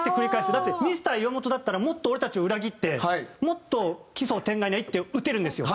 だってミスター岩本だったらもっと俺たちを裏切ってもっと奇想天外な一手を打てるんですよ。